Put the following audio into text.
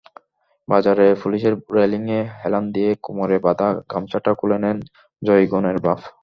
বাজারের পুলের রেলিংয়ে হেলান দিয়ে কোমরে বাধা গামছাটা খুলে নেন জয়গুনের বাপ।